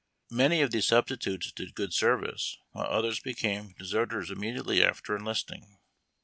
Many of these substitutes did good service, while others became de serters immediately after enlisting.